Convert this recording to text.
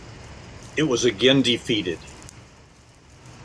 It was again defeated.